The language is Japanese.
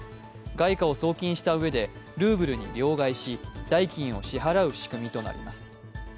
外貨を送金したうえで、ルーブルに両替し、代金を支払う仕組みとなります。